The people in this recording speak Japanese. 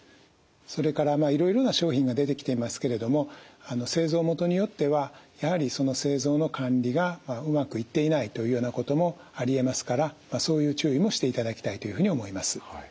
それからいろいろな商品が出てきていますけれども製造元によってはやはりその製造の管理がうまくいっていないというようなこともありえますからそういう注意もしていただきたいというふうに思います。